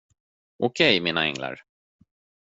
Okej, mina änglar.